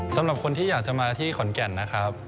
สำหรับคนที่อยากจะมาที่ขอนแก่นนะครับ